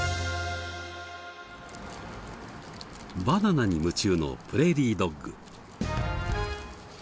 バナナに夢中のプレーリードッグ。